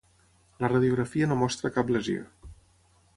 La radiografia no mostra cap lesió.